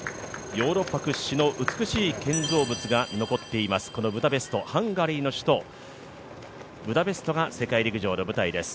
ヨーロッパ屈指の美しい建造物が残っています、このハンガリーの首都ブダペストが世界陸上の舞台です。